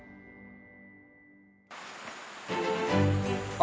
あ！